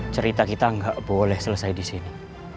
cerita kita gak boleh selesai disini